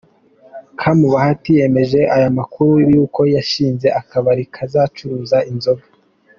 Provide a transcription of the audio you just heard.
com, Bahati yemeje aya makuru y’uko yashinze akabari kazacuruza inzoga.